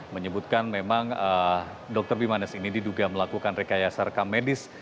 menyebutkan memang dr bimanesh ini diduga melakukan rekayasa rekamedis